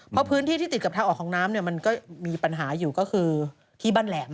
เพราะพื้นที่ที่ติดกับทางออกของน้ำมันก็มีปัญหาอยู่ก็คือที่บ้านแหลม